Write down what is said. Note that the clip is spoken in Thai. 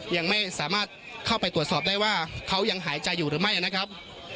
ยังไม่สามารถเข้าไปตรวจสอบได้ว่าเขายังหายใจอยู่หรือไม่นะครับ